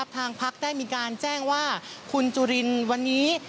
ทางพักได้มีการแจ้งว่าคุณจุรินวันนี้